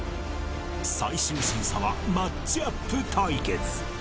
最終審査はマッチアップ対決。